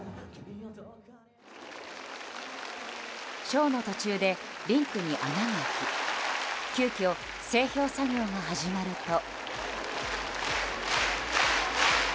ショーの途中でリンクに穴が開き急きょ、整氷作業が始まると。